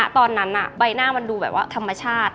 ตอนนั้นใบหน้ามันดูแบบว่าธรรมชาติ